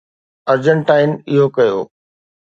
ارجنٽائن اهو ڪيو.